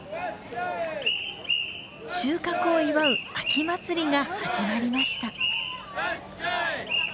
収穫を祝う秋祭りが始まりました。